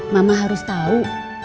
mama harus tau